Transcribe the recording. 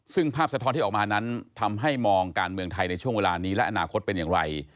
ซึ่งภาพสะท้อนที่ออกมานั้นทำให้มองการเมืองไทยในช่วงเวลานี้และอนาคตเป็นอย่างไร